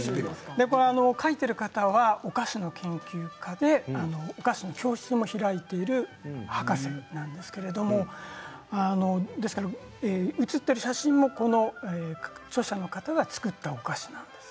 書いている方はお菓子の研究家でお菓子教室も開いている博士なんですけど写っている写真も著者の方が作ったお菓子なんです。